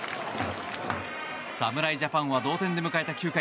侍ジャパンは同点で迎えた９回。